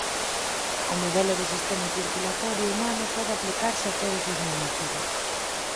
O modelo de sistema circulatorio humano pode aplicarse a todos os mamíferos.